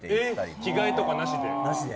着替えとかなしで？